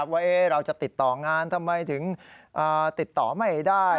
ว่าเราจะติดต่องานทำไมถึงติดต่อไม่ได้